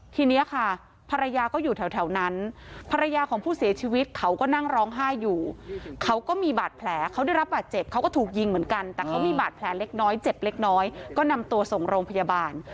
ทีนี้ค่ะภรรยาก็อยู่แถวนั้น